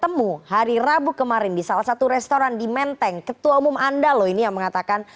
temu hari rabu kemarin di salah satu restoran di menteng ketua umum anda loh ini yang mengatakan